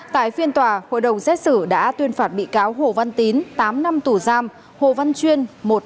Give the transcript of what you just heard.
tại phiên tòa hội đồng xét xử đã tuyên phạt bị cáo hồ văn tín tám năm tù giam hồ văn chuyên một năm tù treo